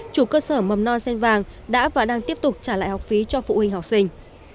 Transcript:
chủ cơ sở mầm non sen vàng đã và đang tiếp tục trả lại học phí cho phụ huynh học sinh